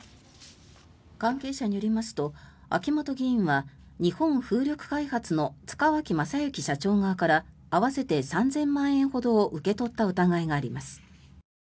関係者によりますと秋本議員は日本風力開発の塚脇正幸社長側から合わせて３０００万円ほどを受け取った疑いがあります。